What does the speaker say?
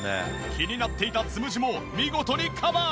気になっていたつむじも見事にカバー！